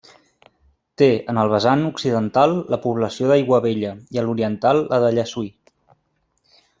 Té en el vessant occidental la població d'Aiguabella, i a l'oriental, la de Llessui.